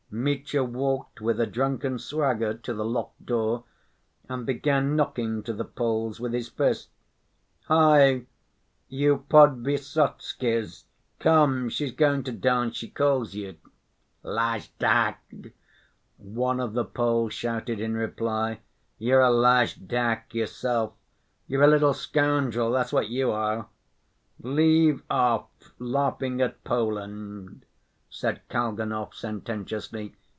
Mitya walked with a drunken swagger to the locked door, and began knocking to the Poles with his fist. "Hi, you ... Podvysotskys! Come, she's going to dance. She calls you." "Lajdak!" one of the Poles shouted in reply. "You're a lajdak yourself! You're a little scoundrel, that's what you are." "Leave off laughing at Poland," said Kalganov sententiously.